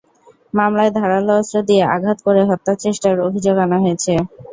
মামলায় ধারালো অস্ত্র দিয়ে আঘাত করে হত্যার চেষ্টার অভিযোগ আনা হয়েছে।